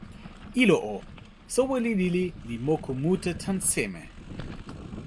ilo o, soweli lili li moku mute tan seme?